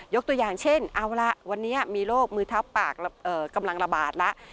ตัวอย่างเช่นเอาละวันนี้มีโรคมือทับปากกำลังระบาดแล้ว